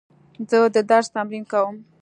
زه د درس تمرین کوم.